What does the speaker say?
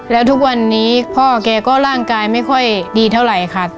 แล้วทุกวันนี้พ่อแกก็ร่างกายไม่ค่อยดีเท่าไหร่ค่ะ